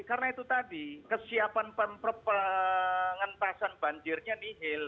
karena itu tadi kesiapan pengentasan banjirnya nihil